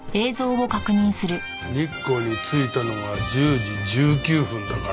日光に着いたのが１０時１９分だから。